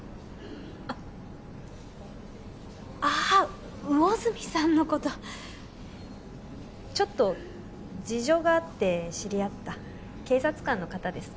あっああ魚住さんのことちょっと事情があって知り合った警察官の方です